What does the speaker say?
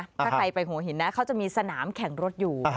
ถ้าใครไปหัวหินนะเขาจะมีสนามแข่งรถอยู่